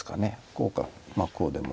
こうかこうでも。